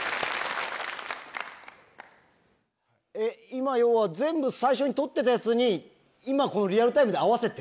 今要は全部最初に撮ってたやつに今このリアルタイムで合わせて？